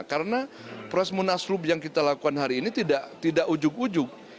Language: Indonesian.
karena proses munaslub yang kita lakukan hari ini tidak ujug ujug